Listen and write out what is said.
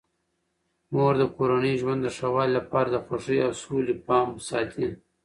مور د کورني ژوند د ښه والي لپاره د خوښۍ او سولې پام ساتي.